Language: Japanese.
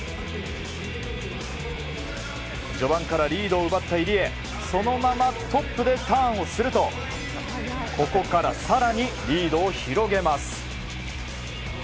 序盤からリードを奪った入江そのままトップでターンをするとここから更にリードを広げます。